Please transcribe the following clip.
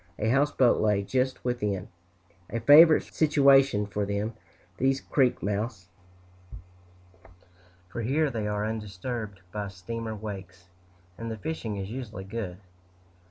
A houseboat lay just within a favorite situation for them, these creek mouths, for here they are undisturbed by steamer wakes, and the fishing is usually good.